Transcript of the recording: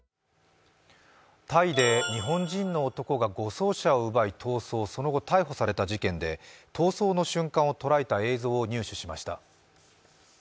タイで日本人の男が護送車を奪い、逃走その後、逮捕された事件で逃走の瞬間を捉えた映像を入手しました。